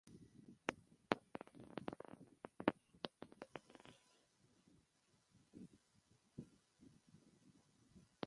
পূর্বেকার আইনে বোলারের এ ধরনের চেষ্টার ক্ষেত্রে আরও সীমাবদ্ধ নিয়ম ছিল।